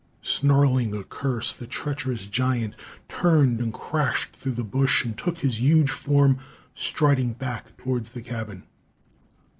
Snarling a curse, the treacherous giant turned and crashed through the bush and took his huge form striding back towards the cabin.